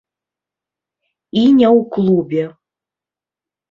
І не ў клубе.